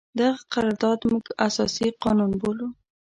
دغه قرارداد موږ اساسي قانون بولو.